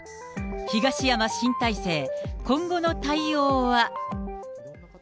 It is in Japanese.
東山新体制、今後の対応は。